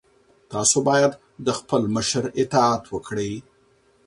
تاسو باید د خپل مشر اطاعت وکړئ.